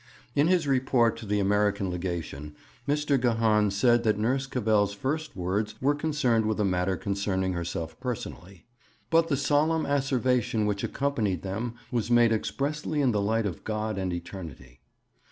In his report to the American Legation Mr. Gahan said that Nurse Cavell's first words were concerned with a matter concerning herself personally, 'but the solemn asseveration which accompanied them was made expressly in the light of God and eternity.'